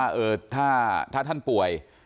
ว่าถ้าท่านป่วย